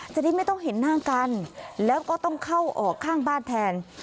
จะได้ไม่ต้องเห็นหน้ากันแล้วก็ต้องเข้าออกข้างบ้านแทน